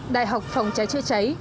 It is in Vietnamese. đại học phòng cháy chữa cháy